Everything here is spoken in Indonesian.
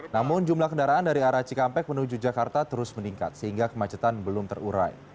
namun jumlah kendaraan dari arah cikampek menuju jakarta terus meningkat sehingga kemacetan belum terurai